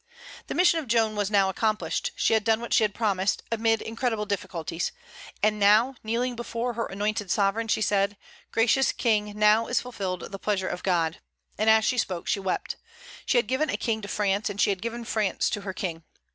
The mission of Joan was now accomplished. She had done what she promised, amid incredible difficulties. And now, kneeling before her anointed sovereign, she said, "Gracious King, now is fulfilled the pleasure of God!" And as she spoke she wept. She had given a king to France; and she had given France to her king.